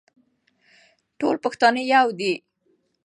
ټول پښتانه يو دي.